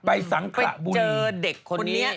สังขระบุญเจอเด็กคนนี้